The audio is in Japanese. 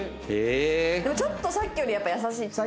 でもちょっとさっきよりやっぱり優しい。